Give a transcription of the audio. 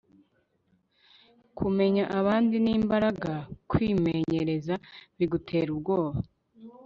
kumenya abandi ni imbaraga. kwimenyereza bigutera ubwoba